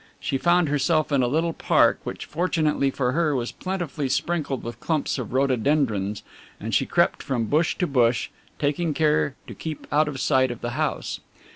She found herself in a little park which fortunately for her was plentifully sprinkled with clumps of rhododendrons, and she crept from bush to bush, taking care to keep out of sight of the house.